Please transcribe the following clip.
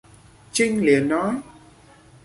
Trinh liền nói